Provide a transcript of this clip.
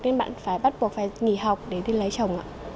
nên bạn phải bắt buộc phải nghỉ học để đi lấy chồng ạ